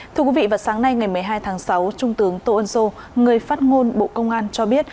thưa quý vị vào sáng nay ngày một mươi hai tháng sáu trung tướng tô ân sô người phát ngôn bộ công an cho biết